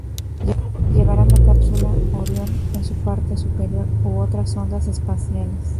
Llevará la cápsula orión en su parte superior u otras sondas espaciales.